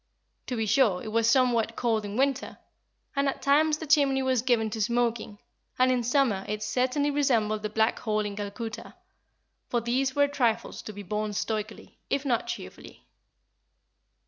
To be sure, it was somewhat cold in winter, and at times the chimney was given to smoking, and in summer it certainly resembled the Black Hole in Calcutta; but these were trifles to be borne stoically, if not cheerfully.